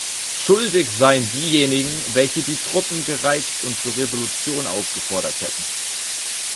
Schuldig seien diejenigen, welche die Truppen gereizt und zur Revolution aufgefordert hätten.